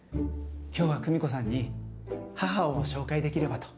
今日は久美子さんに母を紹介できればと。